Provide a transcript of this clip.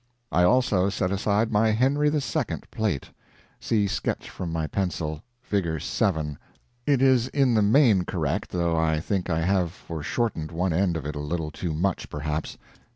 I also set aside my Henri II. plate. See sketch from my pencil; it is in the main correct, though I think I have foreshortened one end of it a little too much, perhaps.